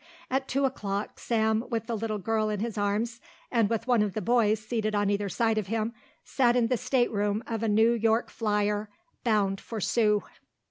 At two o'clock Sam, with the little girl in his arms and with one of the boys seated on either side of him, sat in a stateroom of a New York flyer bound for Sue.